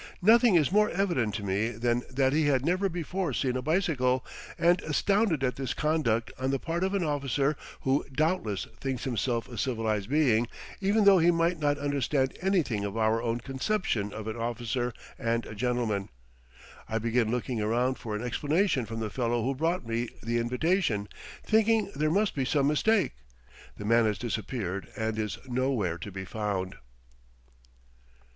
Nothing is more evident to me than that he had never before seen a bicycle, and astounded at this conduct on the part of an officer who doubtless thinks himself a civilized being, even though he might not understand anything of our own conception of an "officer and a gentleman," I begin looking around for an explanation from the fellow who brought me the invitation, thinking there must be some mistake. The man has disappeared and is nowhere to be found.